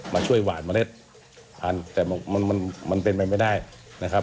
มาช่วยหวานเมล็ดพันธุ์แต่มันมันเป็นไปไม่ได้นะครับ